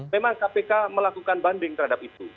memang kpk melakukan banding terhadap itu